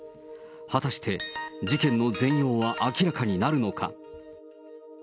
果たして事件の全容は明らかになるのか。